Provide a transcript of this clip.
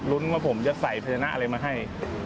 รุ้นว่าผมจะใส่พยชนะอะไรมาให้